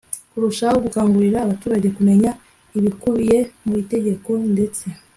Kurushaho gukangurira abaturage kumenya ibikubiye mu itegeko ndetse